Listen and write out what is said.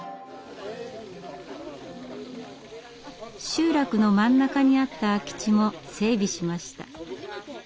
集落の真ん中にあった空き地も整備しました。